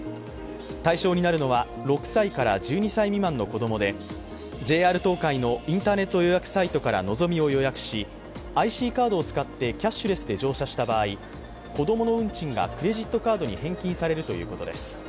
対象になるのは６歳から１２歳未満の子供でＪＲ東海のインターネット予約サイトからのぞみを予約し、ＩＣカードを使ってキャッシュレスで乗車した場合子供の運賃がクレジットカードに返金されるということです。